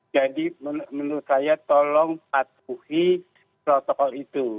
jadi menurut saya tolong patuhi protokol itu